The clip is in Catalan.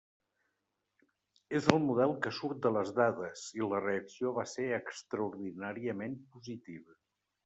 És el model que surt de les dades i la reacció va ser extraordinàriament positiva.